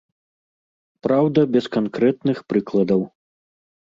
Праўда, без канкрэтных прыкладаў.